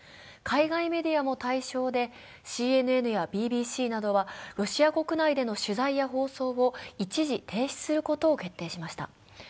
海外メディアも対象でＣＮＮやＢＢＣなどはロシア国内での取材や放送を一時停止することを決定しました。